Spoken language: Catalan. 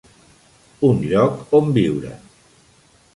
Un lloc on viure!